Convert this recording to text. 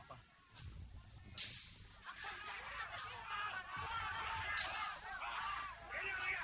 gak apa apa sebentar ya